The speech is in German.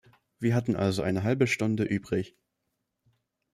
Wir hatten also eine halbe Stunde übrig.